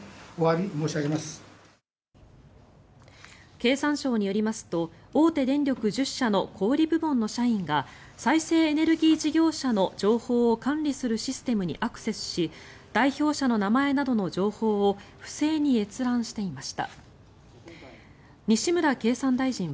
経産省によりますと大手電力１０社の小売部門の社員が再生エネルギー事業者の情報を管理するシステムにアクセスし代表者の名前などの情報を不正に閲覧していました。